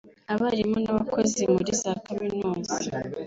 abarimu n’abakozi muri za kaminuza